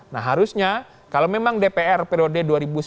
nah harusnya kalau memang dpr periode dua ribu sembilan belas dua ribu